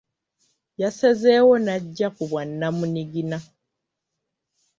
Yasazeewo n’ajja ku bwannamungina.